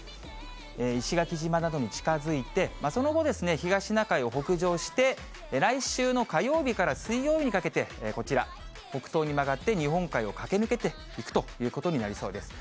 石垣島などに近づいて、その後、東シナ海を北上して、来週の火曜日から水曜日にかけて、こちら、北東に曲がって日本海を駆け抜けていくということになりそうです。